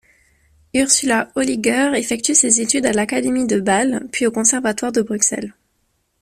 Ursula Holliger effectue ses études à l'Académie de Bâle, puis au Conservatoire de Bruxelles.